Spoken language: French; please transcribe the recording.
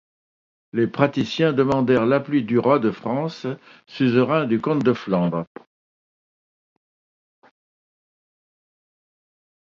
Les patriciens demandèrent l'appui du roi de France suzerain du Comte de Flandre.